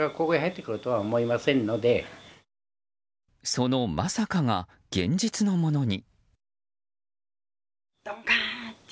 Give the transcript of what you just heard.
そのまさか現実のものに。